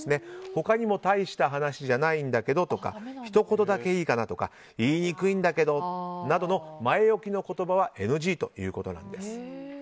他にも大した話じゃないんだけどとかひと言だけいいかなとか言いにくいんだけどなどの前置きの言葉はＮＧということなんです。